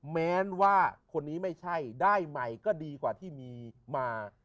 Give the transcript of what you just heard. แม้ว่าคนนี้ไม่ใช่ได้ใหม่ก็ดีกว่าที่มีมา